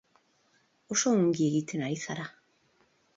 Oso ongi egiten ari zara.